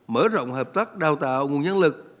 mở rộng hợp tác đào tạo nguồn nhân lực